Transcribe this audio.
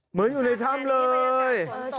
เหมือนอยู่ในถ้ำเลย